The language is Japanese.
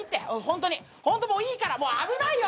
ホントにもういいから危ないよ。